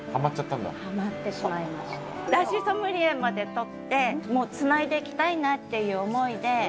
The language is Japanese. だしソムリエまで取ってつないでいきたいなっていう思いで。